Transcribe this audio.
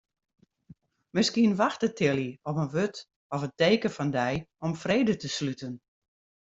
Miskien wachtet Tilly op in wurd of teken fan dy om frede te sluten.